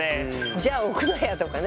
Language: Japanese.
「じゃあ置くなや！」とかね。